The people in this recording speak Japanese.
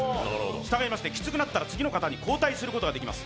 したがいまして、きつくなったら次の方に交代することができます。